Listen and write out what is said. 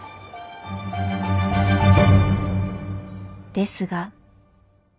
ですが。